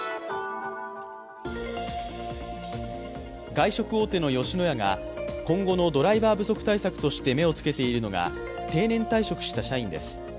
外食大手の吉野家が今後のドライバー不足対策として目をつけているのが定年退職した社員です。